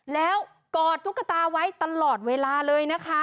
แล้วกอดตุ๊กตาไว้ตลอดเวลาเลยนะคะ